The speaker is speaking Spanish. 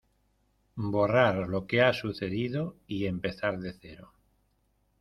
borrar lo que ha sucedido y empezar de cero...